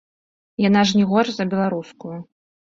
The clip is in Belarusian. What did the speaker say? Яна ж не горш за беларускую.